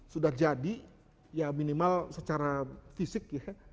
sudah jadi ya minimal secara fisik ya